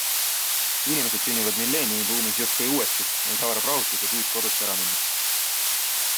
Inimesed sünnivad millenniumibuumis justkui uuesti, neid haarab rahutus ja püüd kodust ära minna.